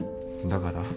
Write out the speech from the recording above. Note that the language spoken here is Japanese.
だから？